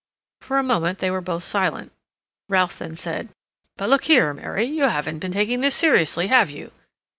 For a moment they were both silent. Ralph then said: "But look here, Mary, you haven't been taking this seriously, have you?"